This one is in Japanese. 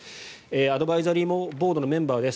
アドバイザリーボードのメンバーです。